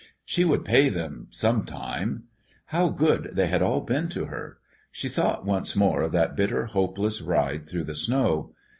She would pay them sometime. How good they had all been to her! She thought once more of that bitter, hopeless ride through the snow.